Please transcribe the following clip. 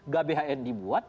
gak bhn dibuat